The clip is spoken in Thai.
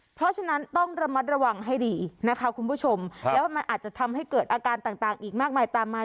เพราะฉะนั้นต้องระมัดระวังให้ดีนะคะคุณผู้ชมแล้วมันอาจจะทำให้เกิดอาการต่างอีกมากมายตามมา